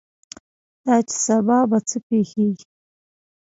دا چې سبا به څه پېښېږي.